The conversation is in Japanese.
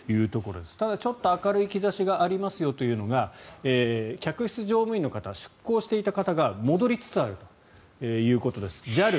ただ、ちょっと明るい兆しがありますよというのが客室乗務員の方出向していた方が戻りつつあるということです。